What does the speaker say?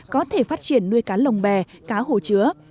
có thể phát triển nuôi cá lồng bè cá hồ chứa